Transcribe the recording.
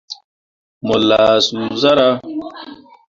Mo lah suu zarah.